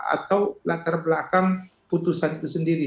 atau latar belakang putusan itu sendiri